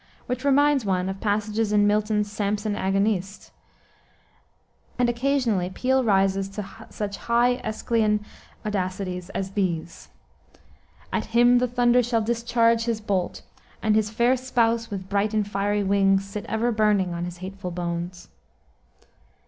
which reminds one of passages in Milton's Samson Agonistes, and occasionally Peele rises to such high Aeschylean audacities as this: "At him the thunder shall discharge his bolt, And his fair spouse, with bright and fiery wings, Sit ever burning on his hateful bones."